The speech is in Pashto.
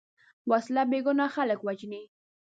وسله بېګناه خلک وژني